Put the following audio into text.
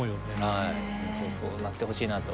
はいそうなってほしいなと。